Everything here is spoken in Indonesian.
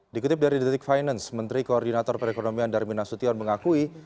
dikutip dari detik finance menteri koordinator perekonomian darmin nasution mengakui